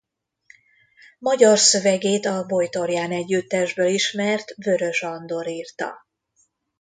Magyar szövegét a Bojtorján együttesből ismert Vörös Andor írta.